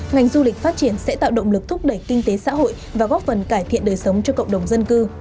ngành du lịch phát triển sẽ tạo động lực thúc đẩy kinh tế xã hội và góp phần cải thiện đời sống cho cộng đồng dân cư